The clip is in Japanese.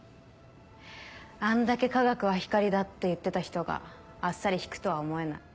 あんだけ「科学は光だ」って言ってた人があっさり引くとは思えない。